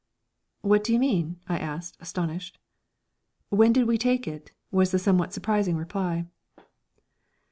"What do you mean?" I asked, astonished. "When did we take it?" was the somewhat surprising reply.